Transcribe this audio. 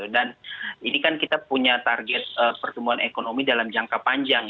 dan ini kan kita punya target pertumbuhan ekonomi dalam jangka panjang